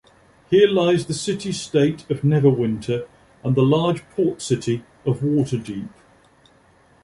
Here lies the city-state of Neverwinter and the large port city of Waterdeep.